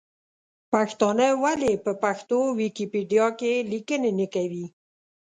پښتانه ولې په پښتو ویکیپېډیا کې لیکنې نه کوي ؟